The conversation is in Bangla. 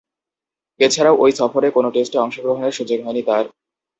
এছাড়াও, ঐ সফরে কোন টেস্টে অংশগ্রহণের সুযোগ হয়নি তার।